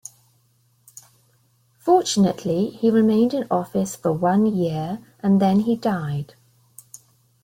Fortunately, he remained in office for one year and then he died.